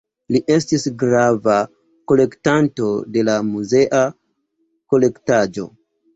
Li estis grava kolektanto de la muzea kolektaĵo.